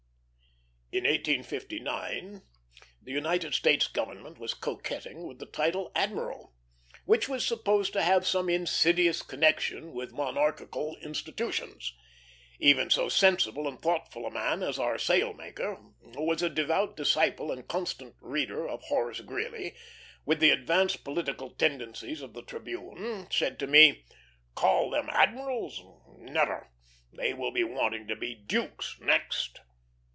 In 1859 the United States government was coquetting with the title "Admiral," which was supposed to have some insidious connection with monarchical institutions. Even so sensible and thoughtful a man as our sailmaker, who was a devout disciple and constant reader of Horace Greeley, with the advanced political tendencies of the Tribune, said to me: "Call them admirals! Never! They will be wanting to be dukes next."